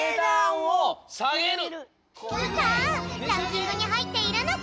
さあランキングにはいっているのか？